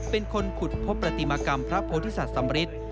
เป็นคนขุดพบปฏิมกรรมพระพโพธิศัตริย์สัมฤทธิ์